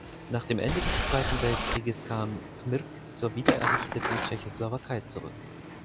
Nach dem Ende des Zweiten Weltkrieges kam Smrk zur wiedererrichteten Tschechoslowakei zurück.